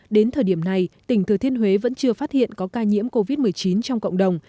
đến thời điểm này tỉnh thừa thiên huế vẫn chưa phát hiện có ca nhiễm covid một mươi chín trong cộng đồng